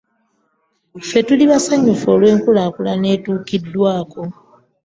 Ffe tuli bassanyufu olwenkulakulana etukidwako.